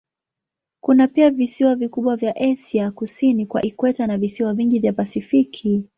Kuna pia visiwa vikubwa vya Asia kusini kwa ikweta na visiwa vingi vya Pasifiki.